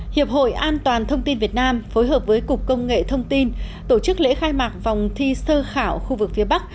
hiệp hội an toàn thông tin việt nam phối hợp với cục công nghệ thông tin tổ chức lễ khai mạc vòng thi sơ khảo khu vực phía bắc